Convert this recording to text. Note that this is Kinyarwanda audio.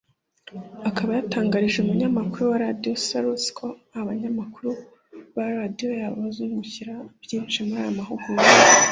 akaba yatangarije umunyamakuru wa Radio Salus ko abanyamakuru ba Radio ayobora bazungukira byinshi muri aya mahugurwa